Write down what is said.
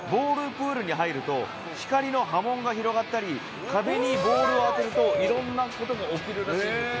プールに入ると光の波紋が広がったり壁にボールを当てると色んな事が起きるらしいんですよ。